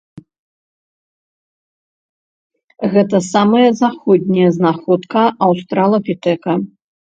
Гэта самая заходняя знаходка аўстралапітэка.